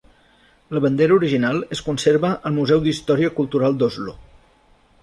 La bandera original es conserva al Museu d'Història Cultural d'Oslo.